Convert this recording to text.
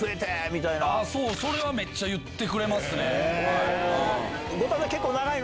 それはめっちゃ言ってくれますね。